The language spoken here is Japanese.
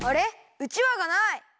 うちわがない！